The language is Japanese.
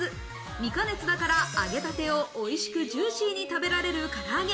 未加熱だから揚げたてをおいしくジューシーに食べられる、から揚げ。